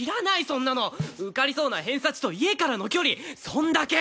受かりそうな偏差値と家からの距離そんだけ！